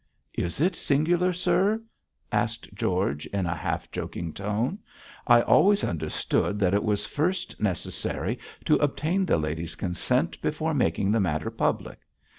'Is it singular, sir?' asked George, in a half joking tone. 'I always understood that it was first necessary to obtain the lady's consent before making the matter public.